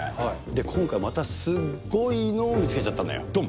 今回またすごいのを見つけちゃったのよ、ドン！